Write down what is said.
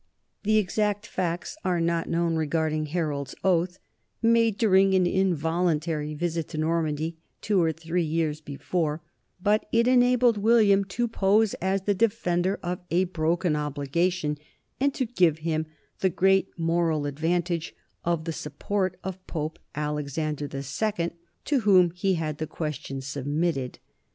The exact facts are not known regarding Harold's oath, made during an involuntary visit to Normandy two or three years be fore, but it enabled William to pose as the defender of a broken obligation and gave him the great moral ad vantage of the support of Pope Alexander II, to whom he had the question submitted.